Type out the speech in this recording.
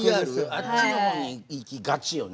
あっちの方に行きがちよね。